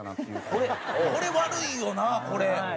これ悪いよなこれ。